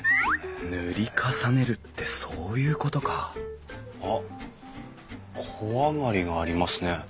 塗り重ねるってそういうことかあっ小上がりがありますね。